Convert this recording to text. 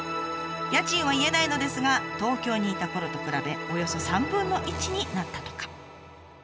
家賃は言えないのですが東京にいたころと比べおよそ３分の１になったとか。